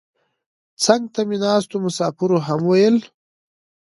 څنګ ته مې ناستو مسافرو هم ویل.